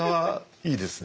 いいですね。